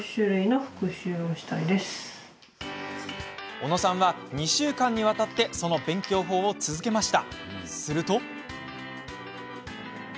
小野さんは２週間にわたってその勉強法を続けました。